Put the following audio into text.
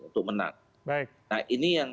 untuk menang nah ini yang